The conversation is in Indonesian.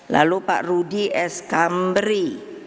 lalu pak rudi s kamberi